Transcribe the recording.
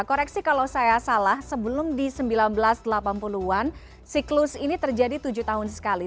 koreksi kalau saya salah sebelum di seribu sembilan ratus delapan puluh an siklus ini terjadi tujuh tahun sekali